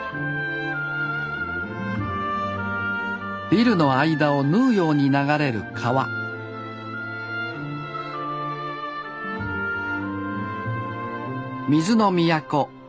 ビルの間を縫うように流れる川水の都大阪市。